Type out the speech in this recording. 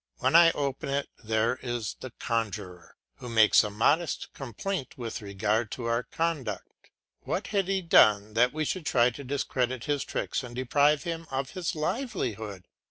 When I open it there is the conjuror, who makes a modest complaint with regard to our conduct. What had he done that we should try to discredit his tricks and deprive him of his livelihood?